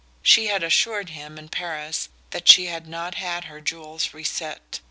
She had assured him in Paris that she had not had her jewels reset.